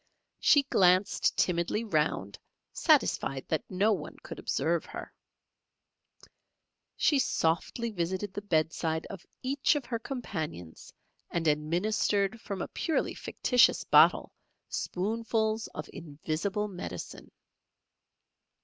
She glanced timidly round; satisfied that no one could observe her, she softly visited the bedside of each of her companions, and administered from a purely fictitious bottle spoonfuls of invisible medicine.